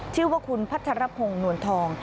ชื่อว่าคุณพัชรพงศ์นวลทอง